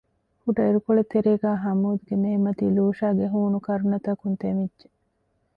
ކުޑަ ޢިރުކޮޅެއްތެރޭ ހަމޫދްގެ މޭމަތި ލޫޝާގެ ހޫނު ކަރުނަތަކުން ތެމިއްޖެ